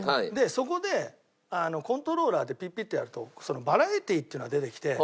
そこでコントローラーでピッピッてやるとバラエティーっていうのが出てきて。